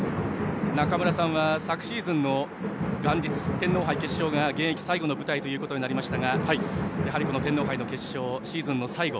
中村さんは昨シーズンの元日天皇杯決勝が現役最後の舞台となりましたがやはり天皇杯の決勝シーズンの最後。